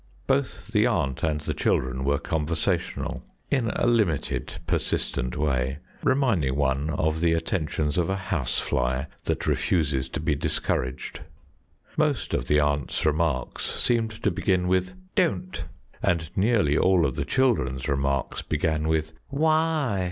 Both the aunt and the children were conversational in a limited, persistent way, reminding one of the attentions of a housefly that refuses to be discouraged. Most of the aunt's remarks seemed to begin with "Don't," and nearly all of the children's remarks began with "Why?"